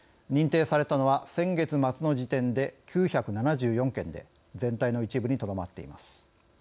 認定されたのは先月末の時点で９７４件で全体の一部にとどまっています。